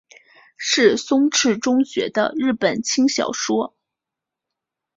是赤松中学的日本轻小说。